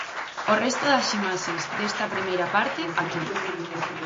O resto das imaxes desta primeira parte, aquí.